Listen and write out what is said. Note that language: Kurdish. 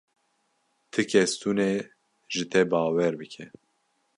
Ti kes tune ji te bawer bike.